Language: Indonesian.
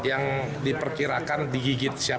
ada luka di kakinya